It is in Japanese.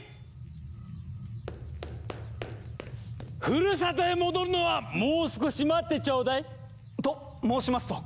ふるさとへ戻るのはもう少し待ってちょうだい！と申しますと？